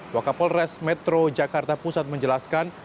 wakapol res metro jakarta pusat menjelaskan